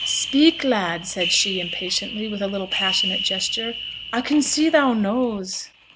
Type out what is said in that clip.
'Speak, lad!' said she, impatiently, with a little passionate gesture. 'I can see thou knows!'